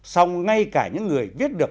xong ngay cả những người viết được